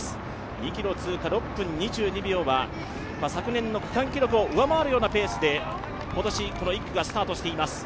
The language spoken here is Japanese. ２ｋｍ通過６分２２秒は昨年の区間記録を上回るようなペースで今年、この１区がスタートしています。